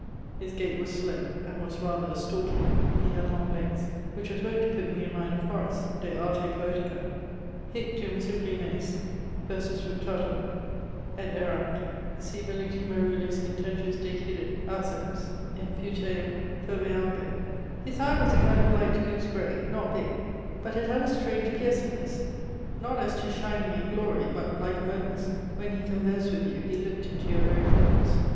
His gate was slow, and was rather a stalking (he had long legges), which was wont to putt me in mind of Horace, De Arte Poetica: 'Hic, dum sublimes versus ructatur, et errat Si veluti merulis intentus decidit auceps In puteum foveamve:' His eie was a kind of light goose gray, not big; but it had a strange piercingness, not as to shining and glory, but (like a Momus) when he conversed with you he look't into your very thoughts.